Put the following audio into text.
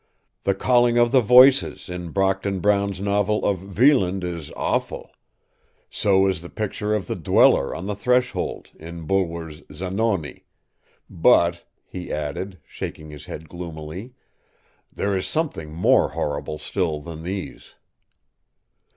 The calling of the voices in Brockden Brown’s novel of ‘Wieland’ is awful; so is the picture of the Dweller on the Threshold, in Bulwer’s ‘Zanoni;’ but,” he added, shaking his head gloomily, “there is something more horrible still than these.